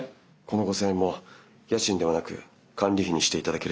この５，０００円も家賃ではなく管理費にしていただけるそうです。